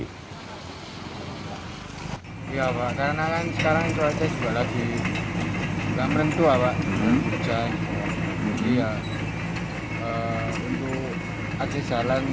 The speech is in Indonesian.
tidak menentu apa apa hujan hujan